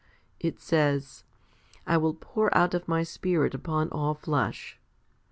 It says, / will pour out of My Spirit upon all flesh.